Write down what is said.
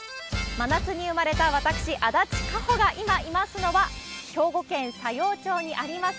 真夏に産まれた私、足立夏保が今いますのは、兵庫県佐用町にあります